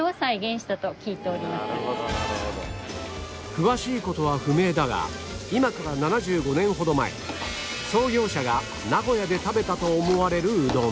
詳しい事は不明だが今から７５年ほど前創業者が名古屋で食べたと思われるうどん